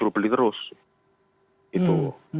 itu maksud saya